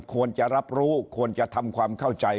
ควรจะรับรู้ควรจะทำความเข้าใจ